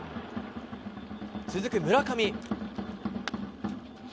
続く村上。